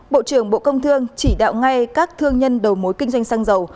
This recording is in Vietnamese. bộ trưởng bộ công thương chỉ đạo ngay các thương nhân đầu mối kinh doanh xăng dầu